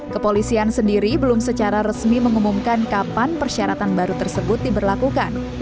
kepolisian sendiri belum secara resmi mengumumkan kapan persyaratan baru tersebut diberlakukan